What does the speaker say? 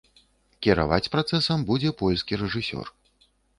Кіраваць працэсам будзе польскі рэжысёр.